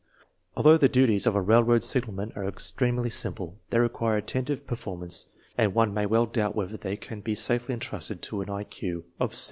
Although the duties of a railroad signal man are extremely simple, they require attentive per formance, and one may well doubt whether they can be safely entrusted to an I Q of 71.